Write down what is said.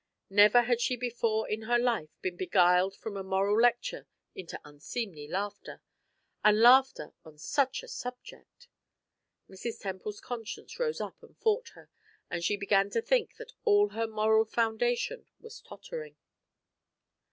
Never had she before in her life been beguiled from a moral lecture into unseemly laughter and laughter on such a subject! Mrs. Temple's conscience rose up and fought her, and she began to think that all her moral foundation was tottering.